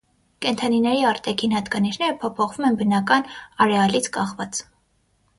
Կենդանիների արտաքին հատկանիշները փոփոխվում են բնական արեալից կախված։